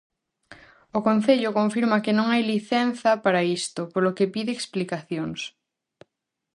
O concello confirma que non hai licenza para isto, polo que pide explicacións.